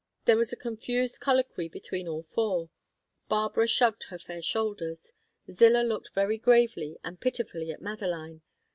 There was a confused colloquy between all four. Barbara shrugged her fair shoulders; Zillah looked very gravely and pitifully at Madeline.